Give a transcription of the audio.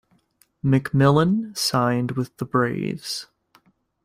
McMillen signed with the Braves.